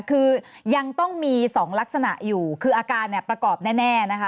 คือยังต้องมี๒ลักษณะอยู่คืออาการประกอบแน่